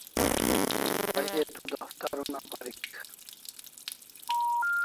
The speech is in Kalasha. A ze tu daftar una parik